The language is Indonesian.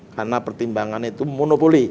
karena pertimbangan itu monopoli